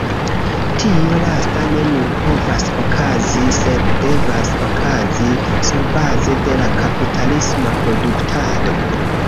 Tio lasta ne nur povas okazi, sed devas okazi, surbaze de la kapitalisma produktado.